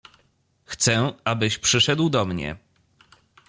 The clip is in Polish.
— Chcę, abyś przyszedł do mnie.